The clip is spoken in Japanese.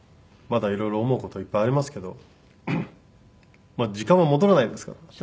まだいろいろ思う事いっぱいありますけど時間は戻らないですから。